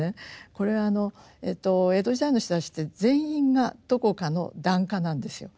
これ江戸時代の人たちって全員がどこかの檀家なんですよ。